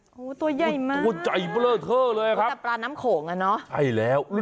โอ้โหตัวใหญ่มากตัวใจเบลอเท่าเลยครับแต่ปลาน้ำโข่งอ่ะเนอะใช่แล้ว